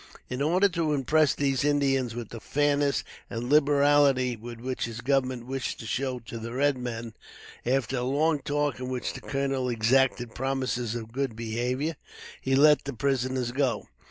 In order to impress these Indians with the fairness and liberality which his government wished to show to the red men, after a long talk, in which the colonel exacted promises of good behavior, he let the prisoners go.